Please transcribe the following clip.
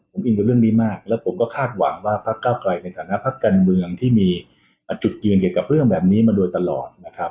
ผมอินกับเรื่องนี้มากแล้วผมก็คาดหวังว่าพักเก้าไกลในฐานะพักการเมืองที่มีจุดยืนเกี่ยวกับเรื่องแบบนี้มาโดยตลอดนะครับ